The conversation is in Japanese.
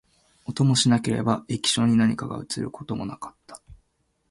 音もしなければ、液晶に何かが写ることもなかった